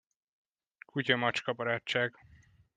Kutya-macska barátság.